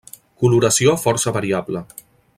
Coloració força variable.